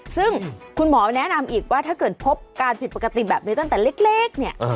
ซึ่งคุณหมอแนะนำอีกว่าถ้าเกิดพบการผิดปกติแบบนี้ตั้งแต่เล็กเนี่ย